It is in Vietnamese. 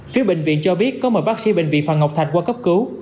phía bệnh viện cho biết có mời bác sĩ bệnh viện phạm ngọc thạch qua cấp cứu